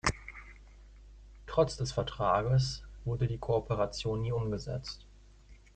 Trotz des Vertrages wurde die Kooperation nie umgesetzt.